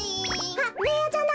あっベーヤちゃんだ！